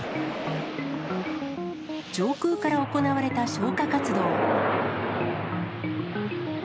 上空から行われた消火活動。